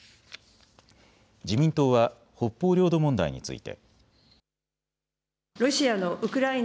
自民党は北方領土問題について。